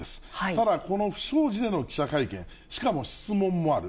ただ、この不祥事での記者会見、しかも質問もある。